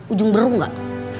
ujung beru gak